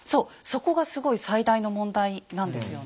そこがすごい最大の問題なんですよね。